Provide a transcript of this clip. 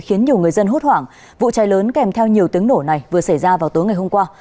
khiến nhiều người dân hốt hoảng vụ cháy lớn kèm theo nhiều tiếng nổ này vừa xảy ra vào tối ngày hôm qua